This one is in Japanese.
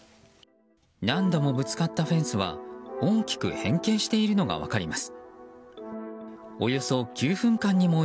何度もぶつかったフェンスは大きく変形しているのが分かります。